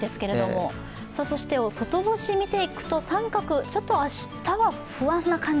そして外干し見ていくと△、明日は不安な感じ。